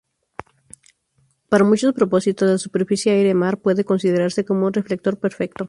Para muchos propósitos la superficie aire-mar puede considerarse como un reflector perfecto.